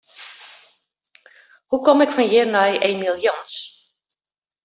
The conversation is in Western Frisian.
Hoe kom ik fan hjir nei Emiel Jans?